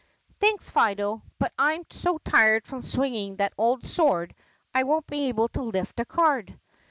"Thanks, Fido, but I'm so tired from swinging that old sword I won't be able to lift a card."